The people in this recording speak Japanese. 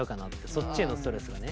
そっちへのストレスがね。